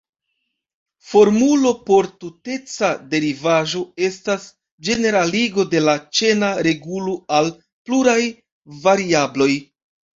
Formulo por tuteca derivaĵo estas ĝeneraligo de la ĉena regulo al pluraj variabloj.